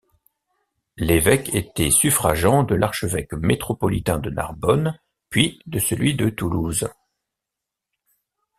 L'évêque était suffragant de l'archevêque métropolitain de Narbonne puis de celui de Toulouse.